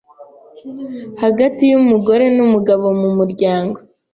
hagati y'umugore n'umugabo mu muryango.